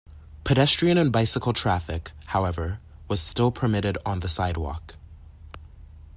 Pedestrian and bicycle traffic, however, was still permitted on the sidewalk.